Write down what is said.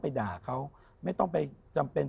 ไปด่าเขาไม่จำเป็น